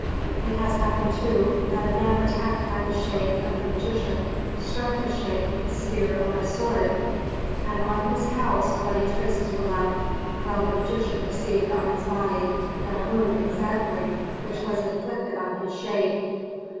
"It has happened, too, that the man attacked by the shade of the magician struck the shade with a spear or a sword, and on his house bloody traces were left, while the magician received on his body that wound exactly which was inflicted on his shade.